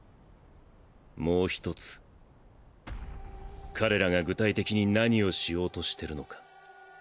もうひとつ彼らが具体的に何をしようとしてるのか。